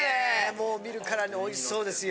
もう見るからにおいしそうですよ。